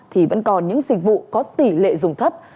thì vẫn còn những dịch vụ có tỷ lệ dùng thấp